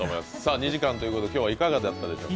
２時間ということで、今日はいかがだったでしょうか？